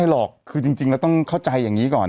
แล้วต้องเข้าใจอย่างนี้ก่อน